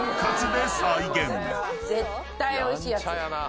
絶対おいしいやつ。